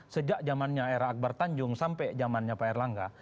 sejak jamannya era akbar tanjung sampai jamannya pak erlangga